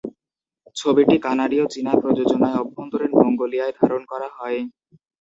ছবিটি কানাডীয়-চীনা প্রযোজনায় অভ্যন্তরীণ মঙ্গোলিয়ায় ধারণ করা হয়।